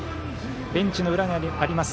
ベンチの裏側にあります